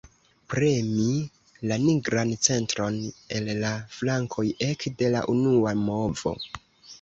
Premi la nigran centron el la flankoj ekde la unua movo.